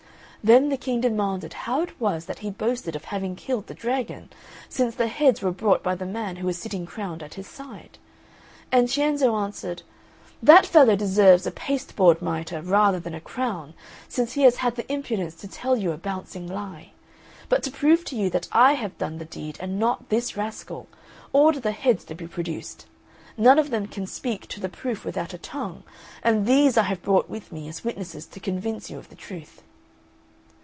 Then the King demanded how it was that he boasted of having killed the dragon, since the heads were brought by the man who was sitting crowned at his side. And Cienzo answered, "That fellow deserves a pasteboard mitre rather than a crown, since he has had the impudence to tell you a bouncing lie. But to prove to you that I have done the deed and not this rascal, order the heads to be produced. None of them can speak to the proof without a tongue, and these I have brought with me as witnesses to convince you of the truth."